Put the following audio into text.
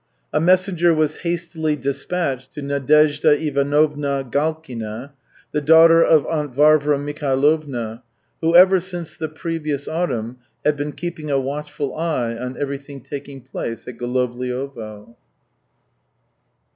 A messenger was hastily dispatched to Nadezhda Ivanovna Galkina (daughter of Aunt Varvara Mikhailovna), who ever since the previous autumn had been keeping a watchful eye on everything taking place at Golovliovo.